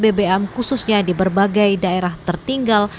bbm khususnya di berbagai daerah tertinggal